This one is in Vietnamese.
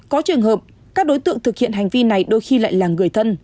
có trường hợp các đối tượng thực hiện hành vi này đôi khi lại là người thân